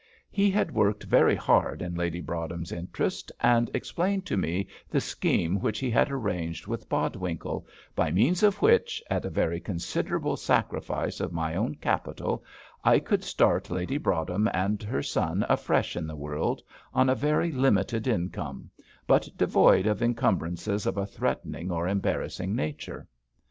He had worked very hard in Lady Broadhem's interest, and explained to me the scheme which he had arranged with Bodwinkle, by means of which, at a very considerable sacrifice of my own capital, I could start Lady Broadhem and her son afresh in the world, on a very limited income, but devoid of encumbrances of a threatening or embarrassing nature.